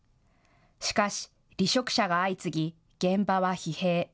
しかし離職者が相次ぎ現場は疲弊。